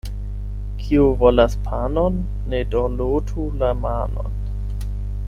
Kiu volas panon, ne dorlotu la manon.